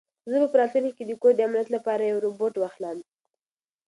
زه به په راتلونکي کې د کور د امنیت لپاره یو روبوټ واخلم.